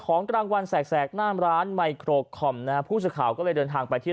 ของตรางวันแสกน่ำร้านไมโครคอมนะฮะผู้สุข่าวก็เลยเดินทางไปที่